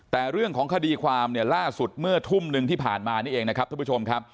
แต่เรื่องของคดีความเนี่ยล่าสุดเมื่อทุ่มหนึ่งที่ผ่านมานี่เองนะครับท่านผู้ชมครับ